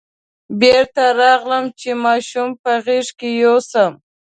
بېرته راغلم چې ماشوم په غېږ کې یوسم.